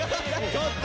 ちょっと！